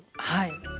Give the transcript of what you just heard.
はい。